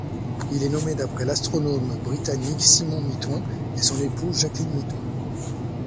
Il est nommé d'après l'astronome britannique Simon Mitton et son épouse, Jacqueline Mitton.